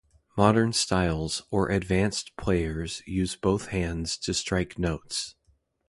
Modern styles or advanced players use both hands to strike notes.